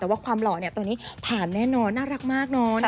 แต่ว่าความหล่อเนี่ยตอนนี้ผ่านแน่นอนน่ารักมากเนอะ